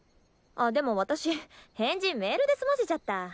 あでも私返事メールで済ませちゃった。